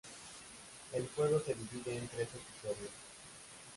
El juego se divide en tres episodios.